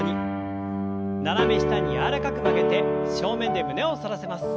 斜め下に柔らかく曲げて正面で胸を反らせます。